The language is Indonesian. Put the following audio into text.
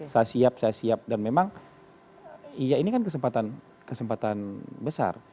saya siap saya siap dan memang ya ini kan kesempatan besar